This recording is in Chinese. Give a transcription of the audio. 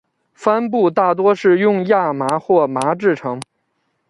帆布大多是用亚麻或麻制成。